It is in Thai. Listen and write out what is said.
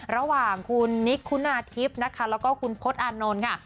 ระหว่างคุณนิกคุณนาธิบนะคะแล้วก็คุณพลตอาร์โน้นค่ะ